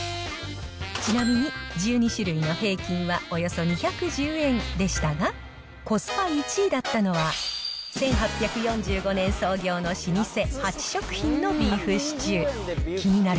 ちなみに１２種類の平均はおよそ２１０円でしたが、コスパ１位だったのは、１８４５年創業の老舗、ハチ食品のビーフシチュー。